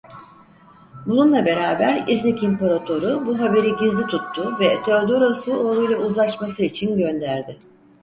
Bununla beraber İznik imparatoru bu haberi gizli tuttu ve Theodoros'u oğluyla uzlaşması için gönderdi.